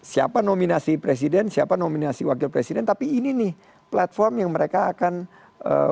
siapa nominasi presiden siapa nominasi wakil presiden tapi ini nih platform yang mereka akan lakukan